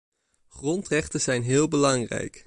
Grondrechten zijn heel belangrijk.